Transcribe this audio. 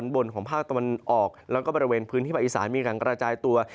บนของภาคตะวันออกแล้วก็บริเวณพื้นที่ภาคอีสานมีการกระจายตัว